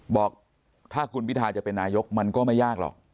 บอกถ้าคุณพิทาจะเป็นนายกมันก็ไม่ยากหรอก